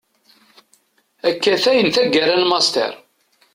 Akatay n taggara n Master.